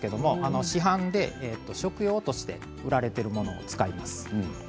市販の食用として売られているものを使います。